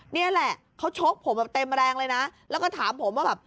นี่แหละเขาชกผมแบบเต็มแรงเลยนะแล้วก็ถามผมว่าแบบ